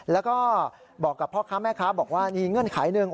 แล้วก็บอกกับพ่อค้าแม่ค้าบอกว่ามีเงื่อนไขหนึ่ง